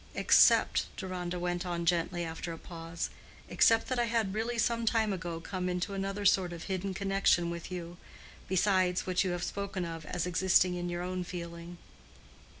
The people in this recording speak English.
"Except," Deronda went on gently, after a pause,—"except that I had really some time ago come into another sort of hidden connection with you, besides what you have spoken of as existing in your own feeling."